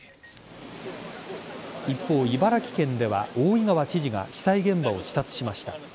一方、茨城県では大井川知事が被災現場を視察しました。